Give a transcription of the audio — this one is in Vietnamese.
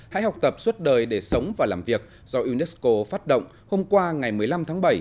hãy học tập suốt đời để sống và làm việc do unesco phát động hôm qua ngày một mươi năm tháng bảy